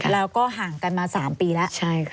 แล้วก็ห่างกันมา๓ปีแล้ว